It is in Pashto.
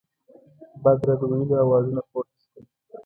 بد رد ویلو آوازونه پورته سول.